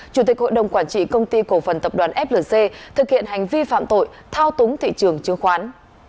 chủ tịch hội đồng quản trị công ty cổ phần tập đoàn flc thực hiện hành vi phạm tội thao túng thị trường chứng khoán